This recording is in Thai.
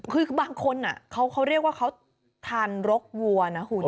คือบางคนเขาเรียกว่าเขาทานรกวัวนะคุณ